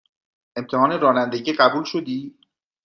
امتحان رانندگی قبول شدی؟